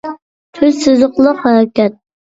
تۈز سىزىقلىق ھەرىكەت